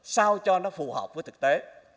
sao cho nó phù hợp với thực tế